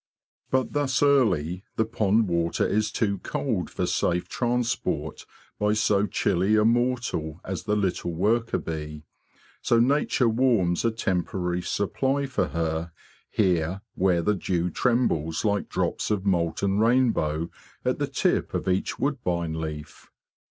But thus early the pond water is too cold for safe transport by so chilly a mortal as the little worker bee; so Nature warms a tem porary supply for her here where the dew trembles like drops of molten rainbow at the tip of each woodbine leaf.